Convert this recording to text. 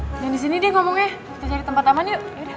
jangan di sini deh ngomongnya kita cari tempat aman yuk yaudah